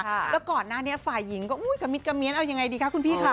แล้วก่อนหน้านี้ฝ่ายหญิงก็อุ๊ยกะมิดกระเมียนเอายังไงดีคะคุณพี่ค่ะ